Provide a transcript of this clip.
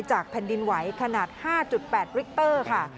แผ่นดินไหวขนาด๕๘ริกเตอร์ค่ะ